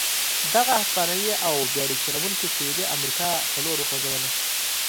دغه هسپانوي او بېړۍ چلوونکي سوېلي امریکا په لور وخوځوله.